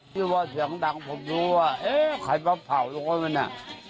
ที่ว่าเสียงดังผมรู้ว่าเอ๊ะใครมาเผาโรงมันอ่ะ